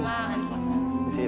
benar ini alamatnya